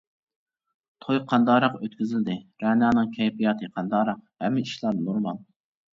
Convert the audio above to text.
-توي قانداقراق ئۆتكۈزۈلدى؟ رەنانىڭ كەيپىياتى قانداقراق؟ -ھەممە ئىشلار نورمال.